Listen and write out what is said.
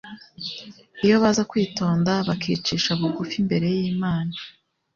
Iyo baza kwitonda bakicisha bugufi imbere y'Imana,